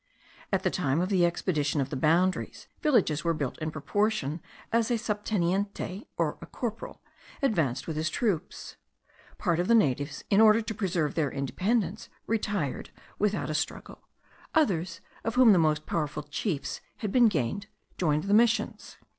At the time of the expedition of the boundaries, villages were built in proportion as a subteniente, or a corporal, advanced with his troops. Part of the natives, in order to preserve their independence, retired without a struggle; others, of whom the most powerful chiefs had been gained, joined the missions.